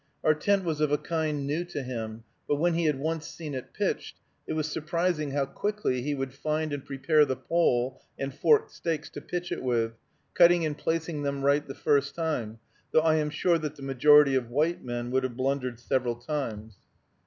Our tent was of a kind new to him; but when he had once seen it pitched, it was surprising how quickly he would find and prepare the pole and forked stakes to pitch it with, cutting and placing them right the first time, though I am sure that the majority of white men would have blundered several times.